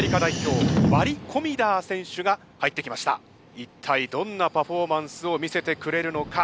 一体どんなパフォーマンスを見せてくれるのか！？